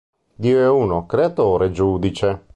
Dio è uno, creatore e giudice.